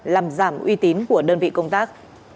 làm giảm uy tín của đơn vị công tác